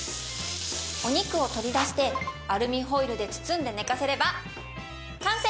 お肉を取り出してアルミホイルで包んで寝かせれば完成！